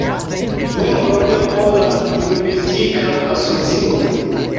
Membro de Pola Lingvistika Asocio.